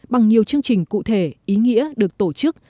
bằng nhiều chương trình cụ thể ý nghĩa được tổ chức